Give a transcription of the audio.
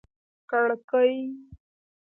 کړکۍ